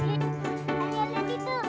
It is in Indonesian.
bangku bawa ini